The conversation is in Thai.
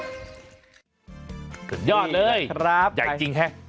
สุดยอดเลยย่ายจริงไหมครับครับ